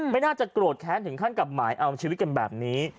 ไม่น่าจะโกรธแค้นถึงขั้นกับหมายเอาชีวิตกันแบบนี้